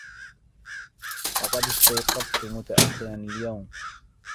لقد إستيقظتُ متأخراً اليوم.